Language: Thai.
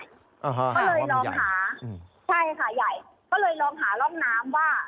ก็เลยลองหาใช่ค่ะใหญ่ก็เลยลองหาร่องน้ำว่า